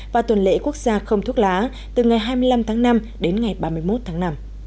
và tuần lễ quốc gia không thuốc lá từ ngày hai mươi năm tháng năm đến ngày ba mươi một tháng năm